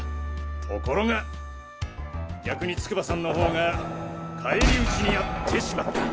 ところが逆に筑波さんの方が返り討ちにあってしまった。